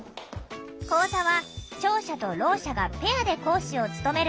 講座は聴者とろう者がペアで講師を務めるのが特徴。